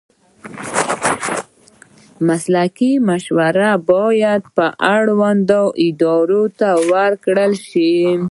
مسلکي مشورې باید اړوندو ادارو ته ورکړل شي.